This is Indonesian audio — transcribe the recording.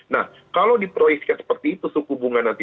nah kalau diproyeksikan seperti itu suku bunga nanti